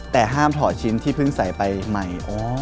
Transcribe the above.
แต่ห้ามถอดชิ้นที่เพิ่งใส่ไปใหม่